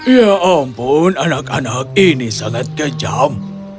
ya ampun anak anak ini sangat kejam